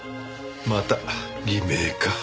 また偽名か。